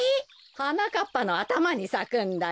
はなかっぱのあたまにさくんだよ。